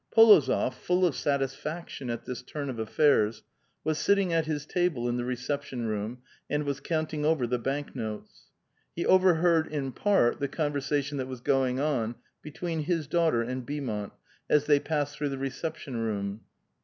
P61ozof, full of satisfaction at this turn of affairs, was sitting at his table in the reception room, and was counting over the banknotes. He overheard in part the conversation that was going on between his daughter and Beaumont, as they passed through the reception room.